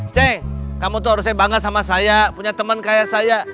cek kamu tuh harusnya bangga sama saya punya teman kayak saya